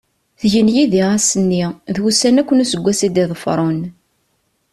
Tgen yid-i ass-nni, d wussan akk n useggas i d-iḍefren.